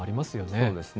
そうですね。